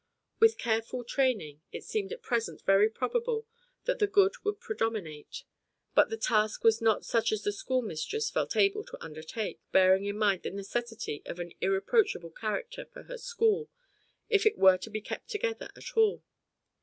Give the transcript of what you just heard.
With careful training, it seemed at present very probable that the good would predominate. But the task was not such as the schoolmistress felt able to undertake, bearing in mind the necessity of an irreproachable character for her school if it were to be kept together at all.